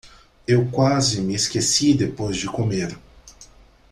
Eu quase me esqueci depois de comer.